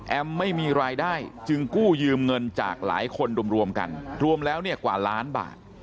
ไม่มีรายได้จึงกู้ยืมเงินจากหลายคนรวมกันรวมแล้วเนี่ยกว่าล้านบาท